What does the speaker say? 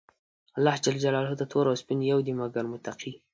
الله ج ته تور او سپين يو دي، مګر متقي.